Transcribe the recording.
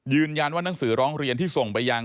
ยืนยันว่านังสือร้องเรียนที่ส่งไปยัง